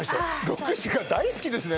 ６時間大好きですね